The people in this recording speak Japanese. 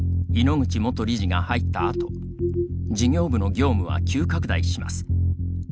口元理事が入ったあと事業部の業務は急拡大します。